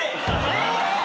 えっ！？